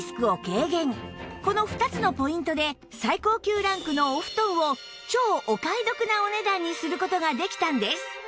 この２つのポイントで最高級ランクのお布団を超お買い得なお値段にする事ができたんです